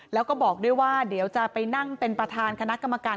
แล้วก็บอกด้วยว่าเดี๋ยวจะไปนั่งเป็นประธานคณะกรรมการ